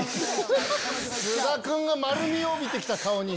菅田君が丸みを帯びて来た顔に。